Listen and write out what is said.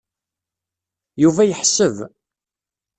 Yuba yeḥseb.